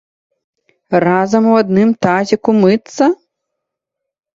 Разам у адным тазіку мыцца?